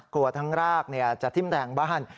กลัวทั้งรากเนี่ยจะทิ้มแตงบ้าน